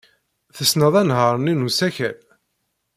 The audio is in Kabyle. Tessned anehhaṛ-nni n usakal?